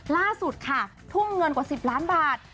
ล่าสุดค่ะทุ่มเงินกว่า๑๐ล้านบาท